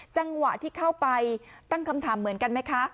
จังหวะที่เข้าไปตั้งคำถามเหมือนกันไหมคะ